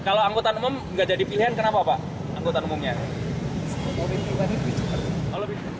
kalau angkutan umum nggak jadi pilihan kenapa pak angkutan umumnya